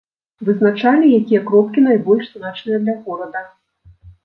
Вызначалі, якія кропкі найбольш значныя для горада.